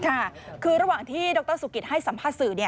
ค่ะคือระหว่างที่ดรสุกิตให้สัมภาษณ์สื่อ